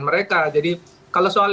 mereka jadi kalau soal